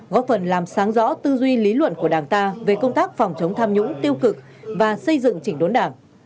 công tác phòng chống tham nhũng tiêu cực và xây dựng trình đốn đảng